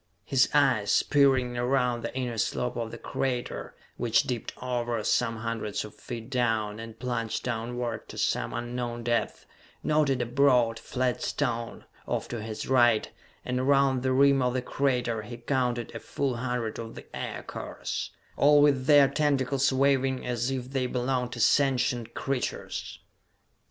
His eyes, peering around the inner slope of the crater which dipped over, some hundreds of feet down, and plunged downward to some unknown depth noted a broad, flat stone, off to his right; and around the rim of the crater he counted a full hundred of the aircars, all with their tentacles waving as if they belonged to sentient creatures.